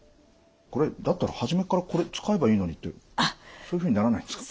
これだったら初めからこれ使えばいいのにってそういうふうにならないんですか？